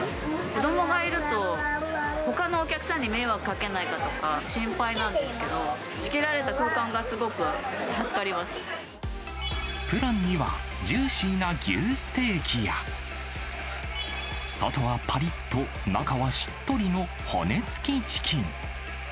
子どもがいると、ほかのお客さんに迷惑かけないかとか、心配なんですけど、仕切らプランには、ジューシーな牛ステーキや、外はぱりっと、中はしっとりの骨付きチキン。